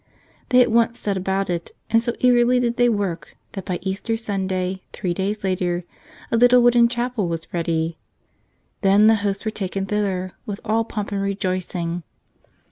They at once set about it, and so eagerly did they work that by Easter Sunday, three days later, a little wooden chapel was ready. Then the Hosts were taken thither with all pomp and rejoicing.